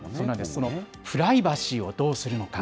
そのプライバシーをどうするのか。